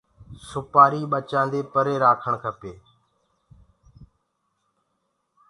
سوپآري ٻچآندي پري رآکڻ کپي۔